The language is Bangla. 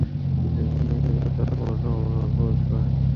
যেখানে হিরো তার বড় সম্ভাবনার খোঁজ পায়।